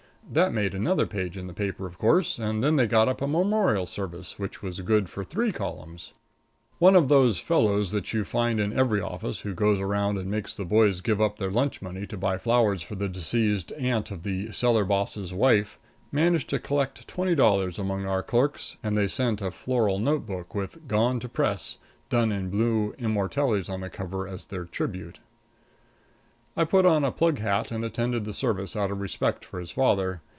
That made another page in the paper, of course, and then they got up a memorial service, which was good for three columns. One of those fellows that you can find in every office, who goes around and makes the boys give up their lunch money to buy flowers for the deceased aunt of the cellar boss' wife, managed to collect twenty dollars among our clerks, and they sent a floral notebook, with "Gone to Press," done in blue immortelles on the cover, as their "tribute." I put on a plug hat and attended the service out of respect for his father.